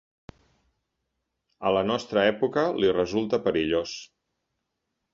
A la nostra època li resulta perillós.